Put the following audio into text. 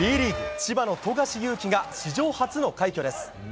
千葉の富樫勇樹が史上初の快挙です。